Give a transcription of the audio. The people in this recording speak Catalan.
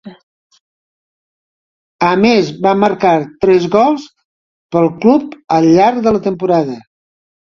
A més, va marcar tres gols pel club al llarg de la temporada.